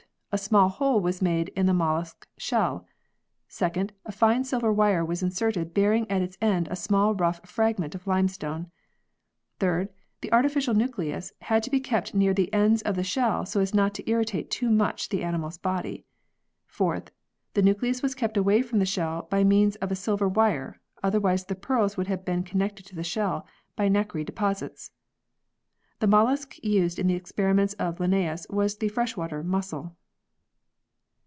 A small hole was made in the mollusc shell ; 2nd. A fine silver wire was inserted bearing at its end a small rough fragment of limestone ; 3rd. The artificial nucleus had to be kept near the ends of the shell so as not to irritate too much the animal's body; 4th. The nucleus was kept away from the shell by means of the silver wire, otherwise the pearls would have been connected to the shell by nacre deposits. The mollusc used in the experiments of Linnaeus was the fresh water mussel.